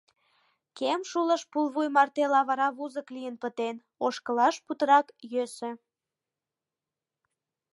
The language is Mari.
Кем шулыш пулвуй марте лавыра вузык лийын пытен, ошкылаш путырак йӧсӧ.